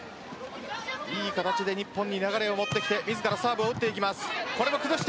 いい形で、日本に流れを持ってきて自らサーブを打っていきます。